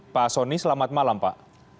pak soni selamat malam pak